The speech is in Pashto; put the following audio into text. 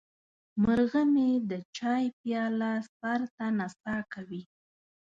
مرغه مې د چای پیاله سر ته نڅا کوي.